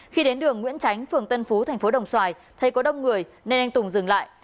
khi đến đường nguyễn tránh phường tân phú thành phố đồng xoài thấy có đông người nên anh tùng dừng lại